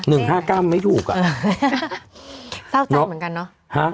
หนึ่งห้าก้ามไม่ถูกอ่ะเออสาวใจเหมือนกันเนอะฮะ